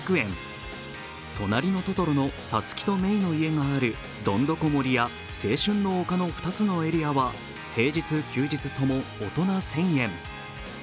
「となりのトトロ」のサツキとメイの家があるどんどこ森や青春の丘の２つのエリアは平日・休日とも大人１０００円。